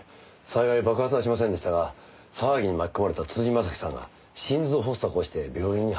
幸い爆発はしませんでしたが騒ぎに巻き込まれた辻正樹さんが心臓発作を起こして病院に運ばれました。